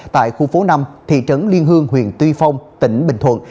tại khu phố năm thị trấn liên hương huyện tuy phong tỉnh bình thuận